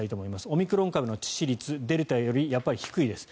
オミクロン株の致死率デルタよりはやっぱり低いです。